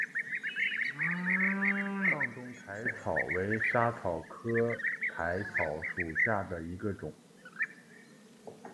藏东薹草为莎草科薹草属下的一个种。